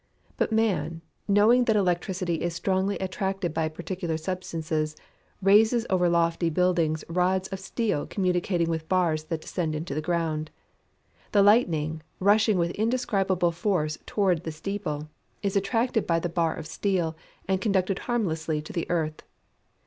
But man, knowing that electricity is strongly attracted by particular substances, raises over lofty buildings rods of steel communicating with bars that descend into the ground. The lightning, rushing with indescribable force toward the steeple, is attracted by the bar of steel, and conducted harmlessly to the earth.